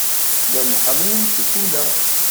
Llan ḥemmlen ccikula.